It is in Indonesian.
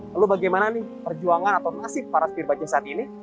lalu bagaimana nih perjuangan atau nasib para setir bajaj saat ini